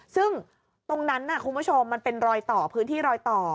ซึ่งตรงนั้นคุณผู้ชมมันเป็นรอยต่อพื้นที่รอยต่อ